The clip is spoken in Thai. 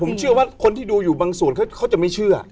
ผมเชื่อว่าคนที่ดูอยู่บางส่วนเขาจะไม่เชื่อ